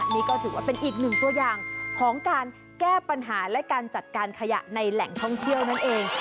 นี่ก็ถือว่าเป็นอีกหนึ่งตัวอย่างของการแก้ปัญหาและการจัดการขยะในแหล่งท่องเที่ยวนั่นเอง